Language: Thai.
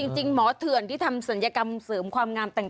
จริงหมอเถื่อนที่ทำศัลยกรรมเสริมความงามต่าง